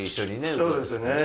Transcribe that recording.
そうですね。